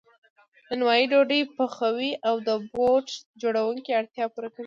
نانوای ډوډۍ پخوي او د بوټ جوړونکي اړتیا پوره کوي